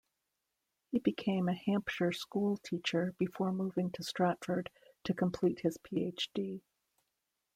He became a Hampshire school teacher before moving to Stratford to complete his PhD.